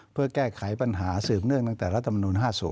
เพื่อแก้ไขปัญหาสืบเนื่องตั้งแต่รัฐมนุน๕๐